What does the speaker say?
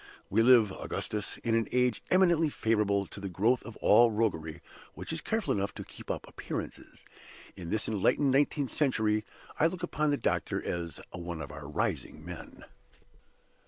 We live, Augustus, in an age eminently favorable to the growth of all roguery which is careful enough to keep up appearances. In this enlightened nineteenth century, I look upon the doctor as one of our rising men.